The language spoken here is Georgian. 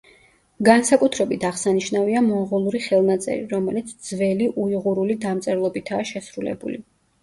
განსაკუთრებით აღსანიშნავია მონღოლური ხელნაწერი, რომელიც ძველი უიღურული დამწერლობითაა შესრულებული.